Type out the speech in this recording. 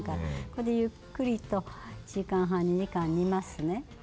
これでゆっくりと１時間半２時間煮ますね。